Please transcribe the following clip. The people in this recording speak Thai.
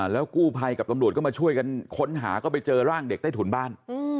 แล้วกู้ภัยกับตำรวจก็มาช่วยกันค้นหาก็ไปเจอร่างเด็กใต้ถุนบ้าน